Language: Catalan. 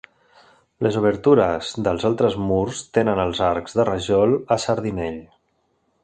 Les obertures dels altres murs tenen els arcs de rajol a sardinell.